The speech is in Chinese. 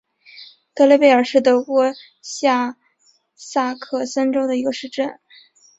德雷贝尔是德国下萨克森州的一个市镇。